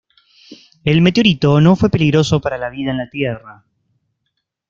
El meteorito no fue peligroso para la vida en la Tierra.